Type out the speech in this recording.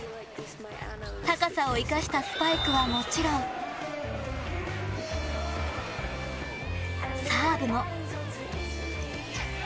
高さを生かしたスパイクはもちろんサーブも。